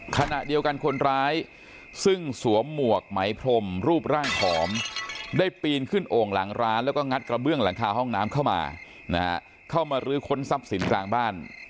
ขณะเดียวกันคนร้ายซึ่งสวมหมวกไหมพรมรูปร่างผอมได้ปีนขึ้นโอ่งหลังร้านแล้วก็งัดกระเบื้องหลังคาห้องน้ำเข้ามานะฮะเข้ามาเข้ามาลื้อค้นทรัพย์สินกลางบ้าน